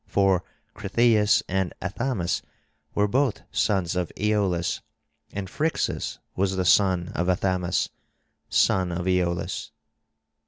For Cretheus and Athamas were both sons of Aeolus; and Phrixus was the son of Athamas, son of Aeolus.